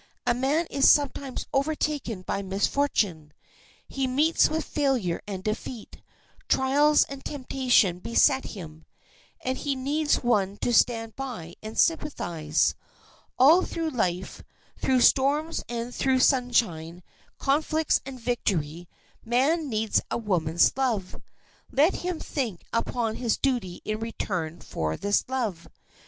A man is sometimes overtaken by misfortune; he meets with failure and defeat, trials and temptation beset him, and he needs one to stand by and sympathize. All through life, through storms and through sunshine, conflicts and victory, man needs a woman's love. Let him think upon his duty in return for this love.